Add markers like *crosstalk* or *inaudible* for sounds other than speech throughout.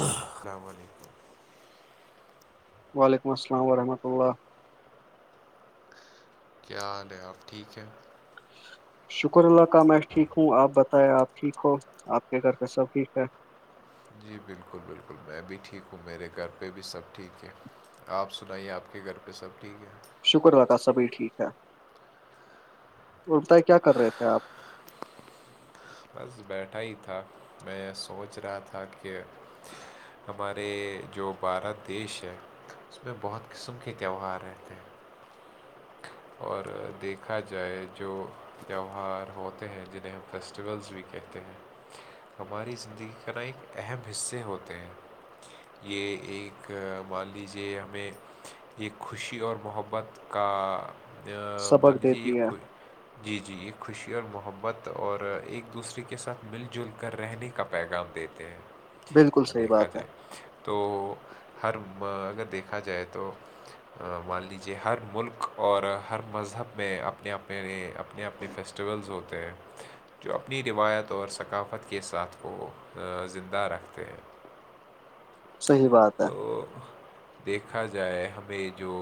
السلام علیکم *unintelligible* *inaudible* وعلیکم السلام ورحمۃ اللہ کیا حال ہے آپ ٹھیک ہیں شکر اللہ کا میں ٹھیک ہوں آپ بتائیں آپ ٹھیک ہو آپ کے گھر پہ سب ٹھیک ہے جی بالکل بالکل میں بھی ٹھیک ہوں میرے گھر پہ بھی سب ٹھیک ہے آپ سنائیے آپ کے گھر پہ سب ٹھیک ہے شکردادا سبھی ٹھیک ہے اور بتائی کیا کر رہے تھے آپ بس بیٹھا ہی تھا میں سوچ رہا تھا کہ ہمارے جو بھارت دیش ہے اس میں بہت قسم کے تہوار رہتےے اور دیکھا جائے جو تیوہار ہوتے ہیں جنہیں ہم فیسٹیولس بھی کہتے ہیں ہماری زندگی کے ن ایک اہم حصے ہوتے ہیں یہ ایک مان لیجیے ہمیں یہ خوشی اور محبت کا مان سبق لیجیے یہ دیتی ہے جی جی یہ خوشی اور محبت اور ایک دوسرے کے ساتھ مل جل گھر رہنے کا پیغام دیتے بالکل ہیں صحیح دیکھا بات ہے جائے تو ہر اگر دیکھا جائے تو مان لیجیے ہر ملک اور ہر مذہب میں اپنے اپنے اپنے اپنے فیسٹیولس ہوتے ہیں جو اپنی روایت اور ثقافت کے ساتھ وہ زندہ رکھتے ہیں صحیح بات تو ہے دیکھا جائے ہمیں جو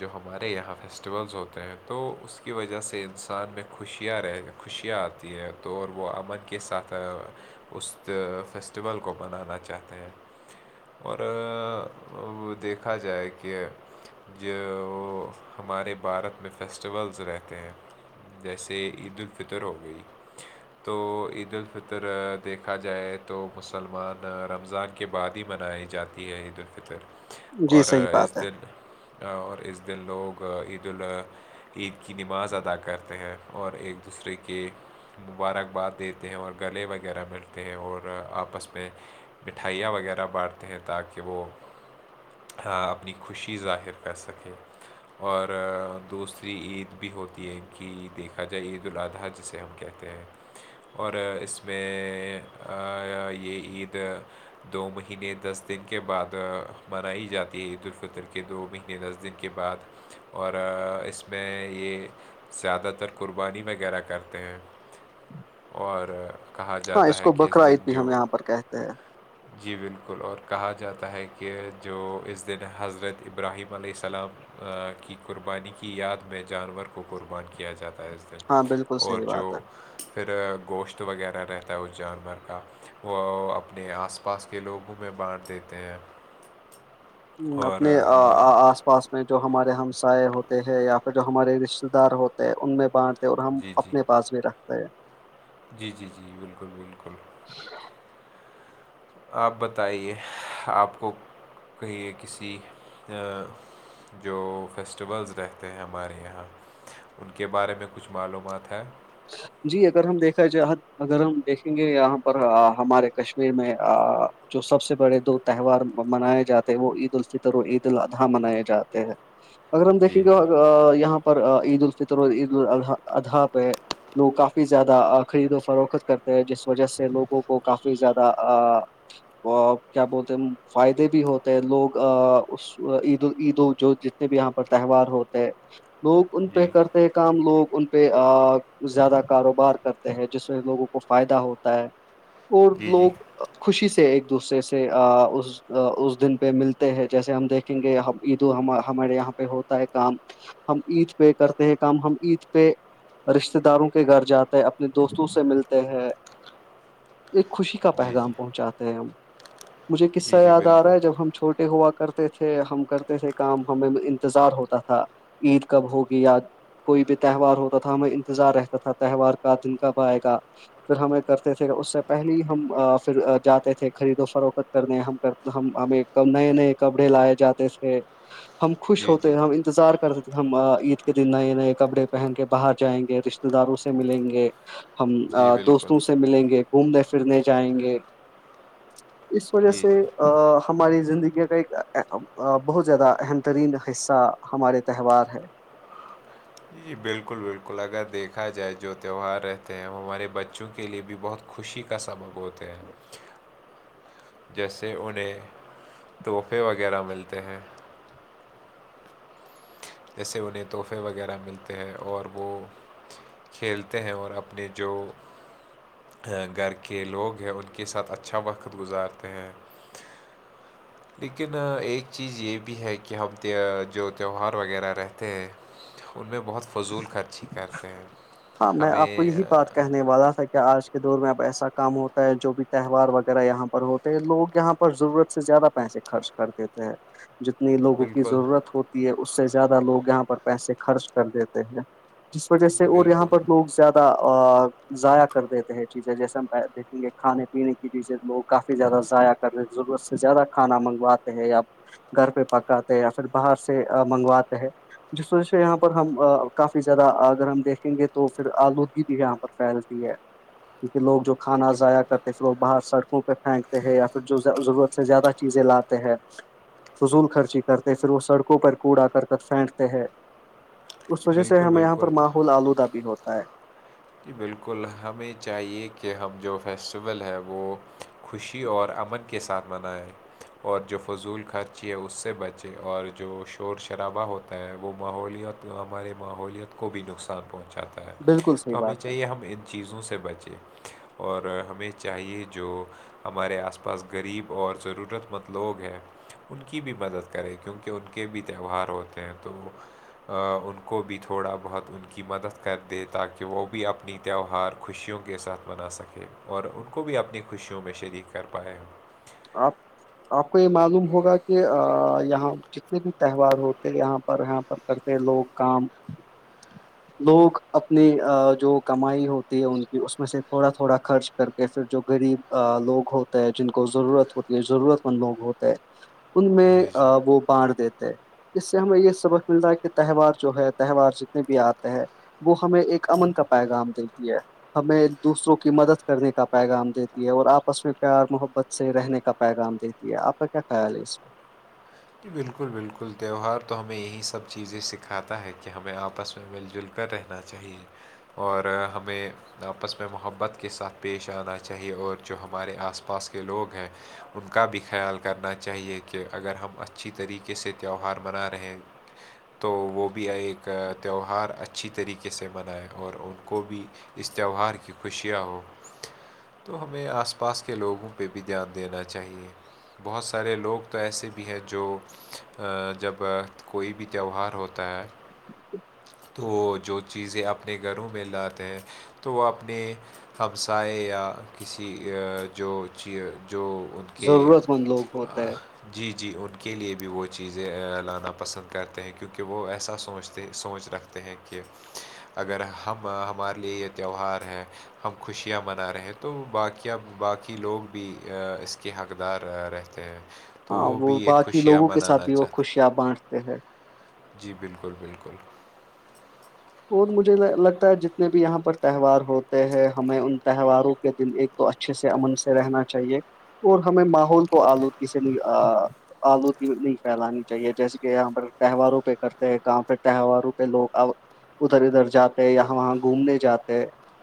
جو ہمارے یہاں فیسٹیولز ہوتے ہیں تو اس کی وجہ سے انسان میں خوشیاں رہ خوشیاں آتی ہیں تو وہ امن کے ساتھ اس فیسٹیول کو بنانا چاہتے ہیں اور دیکھا جائے کہ یہ ہمارے بھارت میں فیسٹیولز رہتے ہیں جیسے عید الفطر ہو گئی تو عید الفطر دیکھا جائے تو مسلمان رمضان کے بعد ہی منائی جاتی ہے عید فطر جی اور صحیح اس بات ہے دن اور اس دن لوگ عیدالضحی عید کی نماز ادا کرتے ہیں اور ایک دوسرے کے مبارکباد دیتے ہیں اور گلے وغیرہ ملتے ہیں اور آپس میں مٹھائیاں وغیرہ بانٹتے ہیں تاکہ وہ اپنی خوشی ظاہر کر سکے اور دوسری عید بھی ہوتی ہے کہ دیکھا جائے عید الادحہ جسے ہم کہتے ہیں اور اس میں یہ عید دو مہینے دس دن کے بعد منائی جاتی ہے عید الفطر کے دو مہینے دس دن کے بعد اور اس میں یہ زیادہ تر قربانی وغیرہ کرتے ہیں اور کہا ہاں جاتا ہے کو کہ اس بکرا عید دن بھی ہم جو یہاں پر کہتے ہیں جی بالکل اور کہا جاتا ہے کہ جو اس دن حضرت ابراہیم علیہ السلام کی قربانی کی یاد میں جانور کو قربان کیا جاتا ہے ہاں بالکل اور صحیح جو بات ہے پھر گوشت وغیرہ رہتا ہے اس جانور کا وہ اپنے آس پاس کے لوگوں میں بانٹ دیتے ہیں ہ اور اپنے ہمارا آس پاس جو ہمارے ہمسائے ہوتے ہیں یا پھر جو ہمارے رشتے دار ہوتے ہیں ان میں بانٹتے اور ہم جی جی اپنے پاس بھی رکھتا ہے جی جی جی بالکل بالکل ج *inaudible* آپ بتائیے آپ کو کہیے کسی جو فیسٹیولز رہتے ہیں ہمارے یہاں ان کے بارے میں کچھ معلومات ہیں جی اگر ہم دیکھا ج اگر ہم دیکھیں گے یہاں پر ہمارے کشمیر میں جو سب سے بڑے دو تہوار منائے جاتے ہیں وہ عید الفطر اور عید الاضحی منائے جاتے ہیں اگر ہم جی دیکھیں گے جی ا یہاں پر عید الفطر اور عید اضحی اضحا پہ لوگ کافی کافی زیادہ خرید و فروخت کرتے ہیں جس وجہ سے لوگوں کو کافی زیادہ کیا بولتے ہیں فائدے بھی ہوتے ہیں لوگ اس عیدید جو بھی یہاں پر تہوار ہوتے ہے لوگ ان پہ جی کرتے ہیں کام لوگ ان پہ زیادہ کاروبار کرتے ہیں جس میں لوگوں کو فائدہ ہوتا ہے اور جی جی لوگ خوشی سے ایک دوسرے سے اس دن پہ ملتے ہیں جیسے ہم دیکھیں گے عید ہمارے یہاں پہ ہوتا ہے کام ہم عید پہ کرتے ہیں کام ہم عید پہ رشتے رشتے داروں کے گھر جاتے ہیں اپنے دوستوں سے ملتے ہیں ایک خوشی کا جی پیغام جی پہنچاتے ہیں ہم مجھے قصہ جی جی یاد آ بالکل رہا ہے جب ہم چھوٹے ے ہوا کرتے تھے ہم کرتے تھے کام ہمیں انتظار ہوتا تھا عید کب ہوگی یا کوئی بھی تہوار ہوتا تھا ہم انتظار رہتا تھا تہوار کا دن کب آئے گا پھر ہمیں کرتے تھے اس سے پہلے ہی ہم پھر جاتے تھے خرید و فروخت کرنے ہم ہم ہمیں ک نئے نئے کپڑے لائے جاتے تھے ہم خوش جی جی ہوتے ہم انتظار کرتے تھے ہم عید کے دن نئے نئے کپڑے پہن کے باہر جائیں گے رشتتے داروں سے ملیں گے ہم جی بالکل دوستوں سے ملیں گے گھومنے پھرنے جائیں گے اس وجہ جی سے جی ہماری زندگی کا ایک بہت زیادہ اہم ترین حصہ ہمارے تہوار ہے *inaudible* جی بالکل بالکل اگر دیکھا جائے جو تہوہار رہتے ہیں وہ ہمارے بچوں کے لیے بھی بہت خوشی کا سبق ہوتے ہیں جیسے انہیں تحفے وغیرہ ملتے ہیں جیسے انہیں تحفے وغیرہ ملتے ہیں اور وہ کھیلتے ہیں اور اپنی جو گھر کے لوگ ہیں ان کے ساتھ اچھا وقت گزارتے ہیں لیکن ایک چیز یہ بھی ہے کہ ہم جو تہوار وغیرہ رہتے ہیں ان میں بہت فضول خرچی کرتے ہیں ہاں میں آپ کو ہمیں یہی بات کہنے والا تھا آج کے دور میں اب ایسا کام ہوتا ہے جو بھی تہوار وغیرہ یہاں پر ہوتے ہیں لوگ یہاں پر ضرورت سے زیادہ پیسے خرچ کر دیتے ہیں جتنی لوگوں کی بالکل ضرورت ہوتی ہے اس سے زیادہ لوگ یہاں پر پیسے خرچ کر دیتے ہیں جس وجہ جی سے اور یہاں بالکل پر لوگ زیادہ ا ضائع کر دیتے ہیں چیزیں جیسے ہم دیکھیں گے کھانے پینے کی چیزیں لوگ کافی زیادہ ضائع کر رہے ضرورت سے زیادہ کھانا منگواتے یا گھر پہ پکاتے ہیں یا پھر باہر سے منگواتے ہیں جس وجہ سے یہاں پر ہم کافی زیادہ اگر ہم دیکھیں گے تو پھر آلودگی بھی یہاں پر پھیلتی ہے کیونکہ لوگ جو کھانا جی ضائع کرتے ہیں پھر لوگ باہر سڑ کنہ پہ پھینکتے ہیں یا پھر جو ضرورت سے زیادہ چیزیں لاتے ہیں فضول خرچی کرتے پھر وہ سڑکوں پر کوڑا کر کر پھینکتے ہیں اس وجہ سے بالکل ہمیں یہاں پر بالکل ماحول آلودہ بھی ہوتا ہے جی بالکل ہمیں چاہیے کہ ہم جو فیسٹیول ہے وہ خوشی اور امن کے ساتھ منائ ہے اور جو فضول خرچی ہے اس سے بچے اور جو شور شرابہ ہوتا ہے وہ ماحوللیت ہمارے ماحوللیت کو بھی نقصان پہنچاتا ہے بالکل صحیح تو ہمیں بات ہے چاہیے ہم ان چیزوں سے بچیں اور ہمیں چاہیے جو ہمارے آس پاس غریب اور ضرورت مند لوگ ہیں ان کی بھی مدد کرے کیونکہ ان کے بھی تہوار ہوتے ہیں تو ان کو بھی تھوڑا بہت ان کی مدد کر دے تاکہ کہ وہ بھی اپنی تہوہار خوشیوں کے ساتھ منا سکے اور ان کو بھی اپنی خوشیوں میں شریک کر پائے ہیں آپ آپ کو یہ معلوم ہوگا کہ یہاں جتنے بھی تہوار ہوتے یہاں پر یہاں پر کرتے لوگ کام لوگ اپنی جو کمائی ہوتی ہے ان کی اس میں سے تھوڑا تھوڑا خرچ کر کے پھر جو غریب لوگ ہوتے جن کو ضرورت ہوتی ہے ضرورت مند لوگ ہوتے ہیں ان میں جی جی وہ بڑ دیتے ہیں اس سے ہمیں یہ سبق ملتا ہے کہ تہوار جو ہے تہوار جتنے بھی آتے ہیں ہے وہ ہمیں ایک امن کا پیغام دیتی ہے ہمیں دوسروں کی مدد کرنے کا پیغام دیتی ہے اور آپس میں پیار محبت سے رہنے کا پیغام دیتی ہے آپ کا کیا خیال ہے اس پہ ی بالکل بالکل تیہوار تو ہمیں یہی سب چیزیں سکھاتا ہے کہ ہمیں آپس میں مل جل کر رہنا چاہیے اور ہمیں آپس میں محبت کے ساتھ پیش آنا چاہیے اور جو ہمارے آس پاس کے لوگ ہیں ان کا بھی خیال کرنا چاہیے کہ اگر ہم اچھی طریقے سے تہوہار منا رہے ہیں تو وہ بھی ایک تیوہار اچھی طریقے سے منائےیں اور ان کو بھی اس تہوہار کی خوشیاں ہ تو ہمیں آس پاس کے لوگوں پہ بھی دھیان دینا چاہیے بہت سارے لوگ تو ایسے بھی ہیں جو جب کوئی بھی تہوار ہوتا ہے تو وہ جو چیزیں اپنے گھروں میں لاتے ہیں تو وہ اپنے ہمسائے یا کسی جو چ جو کے ضرورت مند لوگ ہوتے ہیں جی جی ان کے لیے بھی وہ چیزیں لانا پسند کرتے ہیں کیونکہ وہ ایسا سوچتے سوچ رکھتے ہیں کہ اگر ہم ہمارے لیے یہ تہوار ہے ہم خوشیاں منا رہے ہیں تو باقیا باقی لوگ بھی اس کے حقدار رہتے کہ ہاں وہ باقی لوگوں کے ساتھ بھی وہ ہیں۔ خوشیاں بانٹتے ہیں جی بالکل بالکل اور مجھے لگتا ہے جتنے بھی یہاں پر تہوار ہوتے ہیں ہمیں ان تہواروں کے دن ایک تو اچھے سے امن سے رہنا چاہیے اور ہمیں ماحول کو آلودگی سے آلودگی نہیں پھیلانی چاہیے جیسے کہاں تہواروں پہ کرتے ہیں کہاں پھر تہواروں پہ لوگ ادھر ادھر جاتے اں وہاں گھومنے جاتے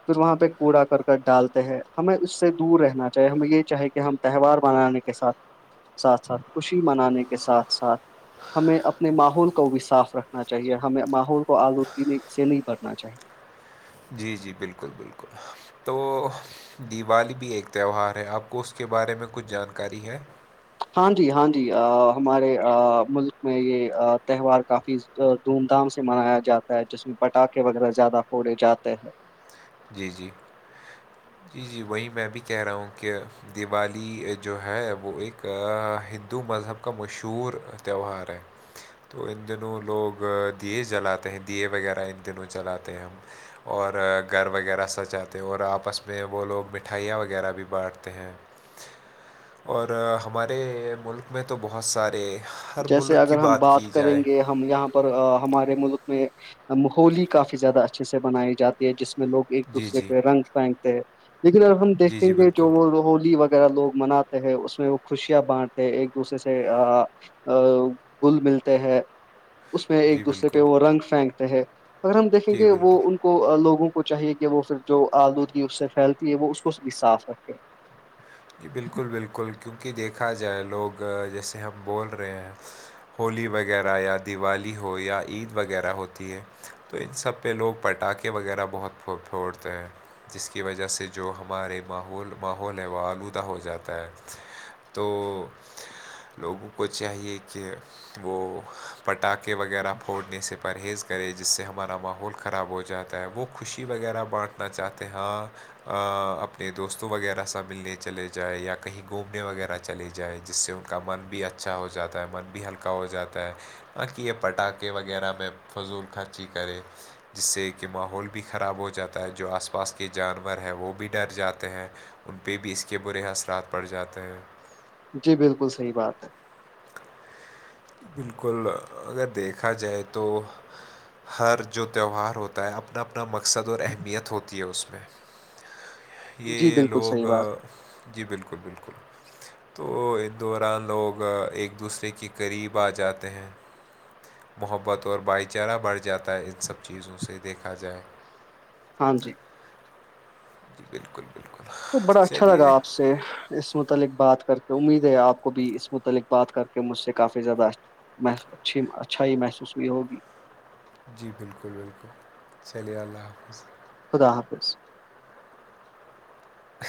پھر وہاں پہ کوڑا کرک ڈالتے ہیں ہمیں اس سے دور رہنا چاہیے ہمیں یہ چاہے کہ ہم تہوار منانے کے ساتھ ساتھ ساتھ خوشی منانے کے ساتھ ساتھ ہمیں اپنے ماحول کو بھی صاف رکھنا چاہیے ہمیں ماحول کو آلود سے نہیں بڑنا چاہیے جی جی بالکل بالکل تو دیوالی بھی ایک تہوار ہے آپ کو اس کے بارے میں کچھ جانکاری ہے ہاں جی ہاں جی ہمارے ملک میں یہ تہوار کافی دھوم دھام سے منایا جاتا ہے جس میں پٹاخے وغیرہ زیادہ پھڑے جاتے ہیں جی جی جی جی وہیں میں بھی کہہ رہا ہوں کہ دیوالی جو ہے وہ ایک ہندو مذہب کا مشہور تہوار ہے تو ان دنوں لوگ دیے جلاتے ہیں دیے وغیرہ ان دنوں جلاتے ہیں ہم اور گھر وغیرہ سچاتے ہیں اور آپس میں وہ لوگ مٹھائیاں وغیرہ بھی بانٹتے ہیں اور ہمارے ملک میں تو بہت سارے ہر جیسے ملک کی اگر ہم بات کی کریں جائے گے ہم یہاں پر ہمارے ملک میں ہولی کافی زیادہ اچھے سے منائی جاتی ہے جس میں لوگ ایک جی دوسرے جی کے رنگ پھینگتے ہیں لیکن اگر ہم جی دیکھیں جی گے بالکل جو وہ روہولی وہ ویرہ لوگ مناتے ہیں اس میں وہ خوشیاں بانٹتے ہیں ایک دوسرے سے گل ملتے ہے اس میں جی ایک دوسرے بالکل پہ وہ رنگ پھینکتے ہیں اگر ہم دیکھیں جی گے وہ بالکل ان کو لوگوں کو چاہیے کہ وہ پھر جو آلودگی اس سے پھیلتی ہے وہ اس کو بھی صاف رکھے جی بالکل بالکل کیونکہ دیکھا جائے لوگ جیسے ہم بول رہے ہیں ہولی وغیرہ یا دیوالی ہو یا عید وغیرہ ہوتی ہے تو ان سب پہ لوگ پٹاخے وغیرہ بہت پھ پھوڑتے ہیں جس کی وجہ سے جو ہمارے ماول ماحول ہے وہل خد ہو جاتا ہے تو لوگوں کو چاہیے کہ وہ پٹاخے وغیرہ پھوڑنے سے پرہیز کرے جس سے ہمارا ماحول خراب ہو جاتا وہ خوشی وغیرہ بانٹنا چاہتے ہ اپنے دوستوں وغیرہ سا ملنے چلے جائے یا کہیں گھومنے وغیرہ چلے جائیں جس سے ان کا من بھی اچھا ہو جاتا ہے من بھی ہلکا پکا ہو جاتا ہے باقی یہ پٹاخے وغیرہ میں فضول خرچی کرے جس سے کہ ماحول بھی خراب ہو جاتا ہے جو آس پاس کے جانور ہیں وہ بھی ڈر جاتے ہیں ان پہ بھی اس کے برے اثرات پڑ جاتے ہیں جی بالکل صحیح بات ہے بالکل اگر دیکھا جائے تو ہر جو تہوار ہوتا ہے اپنا اپنا مقصد اور اہمیت ہوتی ہے اس میں جی یہ بالکل لوگ صحیح بات جی بالکل بالکل تو اس دوران لوگ ایک دوسرے کی غریب آ جاتے ہیں محبت اور بھائی چارہ بڑھ جاتا ہے ان سب چیزوں سے دیکھا جائے ہاں جی بالکل بالکل تو بڑا اچھا لگا چلیے آپ سے اس متعلق بات کر کے امید ہے آپ کو بھی اس متعلق بات کر کے مجھ سے کافی زیادہ ح اچھی اچھائی محسوس ہوئی ہوگی جی بالکل بالکل چلیے اللہ حافظ خدا حافظ اچ